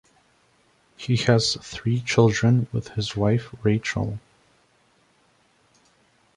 He has three children with his wife, Rachel.